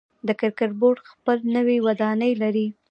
د کرکټ بورډ خپل نوی ودانۍ لري.